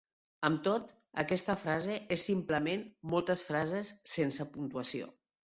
Amb tot, aquesta frase és simplement moltes frases sense puntuació.